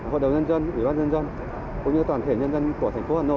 hội đồng nhân dân ủy ban nhân dân cũng như toàn thể nhân dân của thành phố hà nội